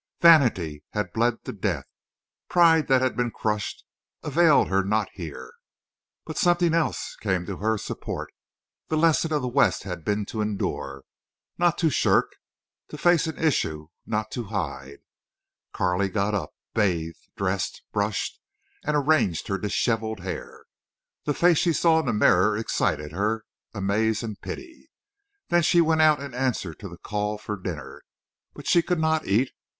Vanity that had bled to death, pride that had been crushed, availed her not here. But something else came to her support. The lesson of the West had been to endure, not to shirk—to face an issue, not to hide. Carley got up, bathed, dressed, brushed and arranged her dishevelled hair. The face she saw in the mirror excited her amaze and pity. Then she went out in answer to the call for dinner. But she could not eat.